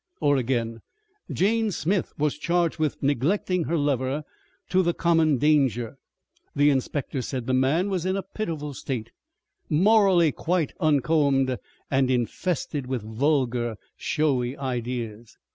"Or again, Jane Smith was charged with neglecting her lover to the common danger.... The inspector said the man was in a pitiful state, morally quite uncombed and infested with vulgar, showy ideas...."